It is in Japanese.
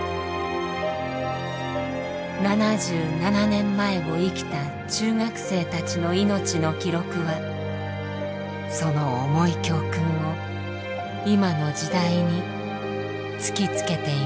７７年前を生きた中学生たちの命の記録はその重い教訓を今の時代に突きつけています。